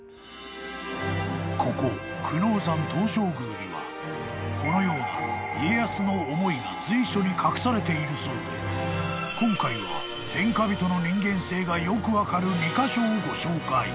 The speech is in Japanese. ［ここ久能山東照宮にはこのような］［随所に隠されているそうで今回は天下人の人間性がよく分かる２カ所をご紹介］